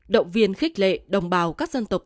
động viên khích lệ đồng bào các dân tộc